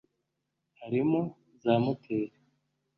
Harimo za moteri